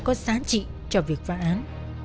có sáng trị cho việc phá án